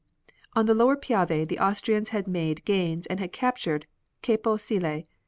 On the Lower Piave the Austrians had made gains and had captured Capo Sile.